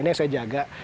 ini yang saya jaga